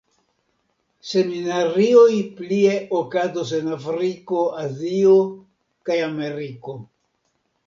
Seminarioj plie okazos en Afriko, Azio kaj Ameriko.